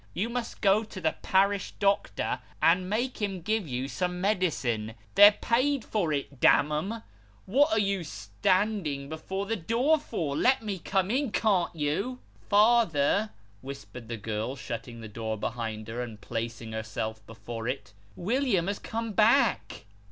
You must go to the parish doctor, and make him give you some medicine. They're paid for it, damn 'em. What are you standing before the door for ? Let me come in, can't you ?"" Father," whispered the girl, shutting the door behind her, and placing herself before it, " William has come back."